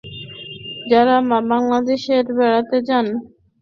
যাঁরা বাংলাদেশে বেড়াতে যান, মাহমুদ তাঁদের নিজের দেশটা ঘুরে দেখাতে আগ্রহী।